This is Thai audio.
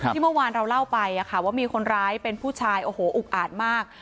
เมื่อวานเราเล่าไปว่ามีคนร้ายเป็นผู้ชายโอ้โหอุกอาดมาก